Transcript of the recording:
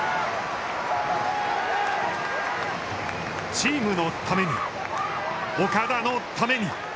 チームのために、岡田のために！